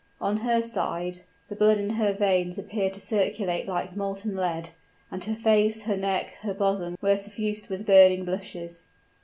On her side, the blood in her veins appeared to circulate like molten lead; and her face, her neck, her bosom were suffused with burning blushes.